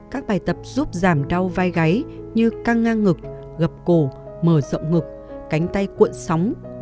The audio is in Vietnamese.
các bài tập giúp giảm đau vai gáy như căng ngang ngực gập cổ mở rộng ngực cánh tay cuộn sóng